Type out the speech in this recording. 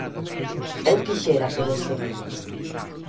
Eu quixera poder seguir.